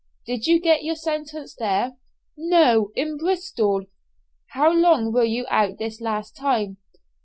"Did you get your sentence there?" "No, in Bristol." "How long were you out this last time?"